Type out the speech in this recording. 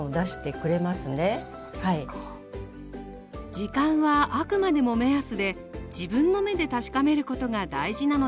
時間はあくまでも目安で自分の目で確かめることが大事なのだそう。